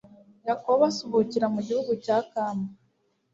Yakobo asuhukira mu gihugu cya Kamu